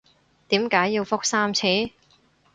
點解要覆三次？